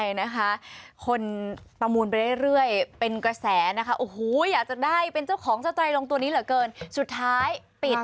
ใช่นะคะคนประมูลไปเรื่อยเป็นกระแสนะคะโอ้โหอยากจะได้เป็นเจ้าของเจ้าไตรลงตัวนี้เหลือเกินสุดท้ายปิด